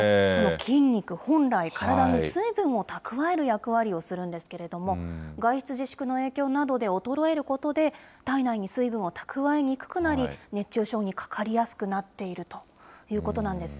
筋肉、本来、体に水分を蓄える役割をするんですけれども、外出自粛の影響などで衰えることで体内に水分を蓄えにくくなり、熱中症にかかりやすくなっているということなんです。